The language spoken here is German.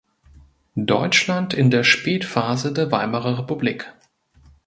Deutschland in der Spätphase der Weimarer Republik.